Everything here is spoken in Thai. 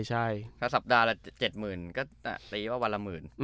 ถ้าสัปดาห์ละ๗๐๐๐๐ก็เตะวันละ๑๐๐๐๐